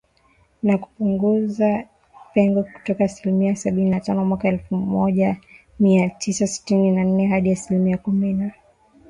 Na kupunguza pengo kutoka asilimia sabini na tano mwaka elfu oja mia tisa tisini na nne, hadi asilimia kumi na saba mwishoni mwa kipindi hicho.